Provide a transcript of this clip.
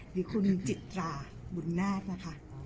ดีคุณจิตราบุญนาศนะคะ